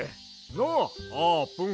なっあーぷん。